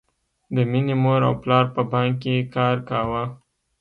د مینې مور او پلار په بانک کې کار کاوه